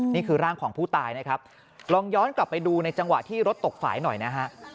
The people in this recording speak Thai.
นี่คือร่างของผู้ตายนะครับลองย้อนกลับไปดูในจังหวะที่รถตกฝ่ายหน่อยนะฮะ